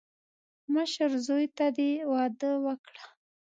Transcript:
مشر زوی ته دې واده وکړه.